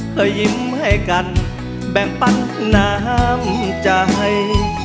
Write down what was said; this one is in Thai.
เคยยิ้มให้กันแบ่งปันน้ำใจ